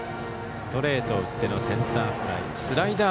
ストレートを打ってのセンターフライ。